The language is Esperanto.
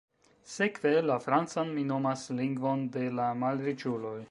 Sekve, la francan mi nomas “lingvon de la malriĉuloj“.